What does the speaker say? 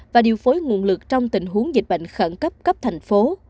và điều phối nguồn lực trong tình huống dịch bệnh khẩn cấp cấp thành phố